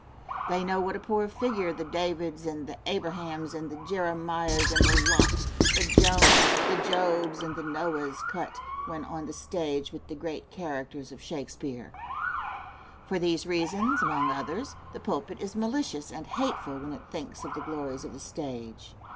They know what a poor figure the Davids and the Abrahams and the Jeremiahs and the Lots, the Jonahs, the Jobs and the Noahs cut when on the stage with the great characters of Shakespeare. For these reasons, among others, the pulpit is malicious and hateful when it thinks of the glories of the stage.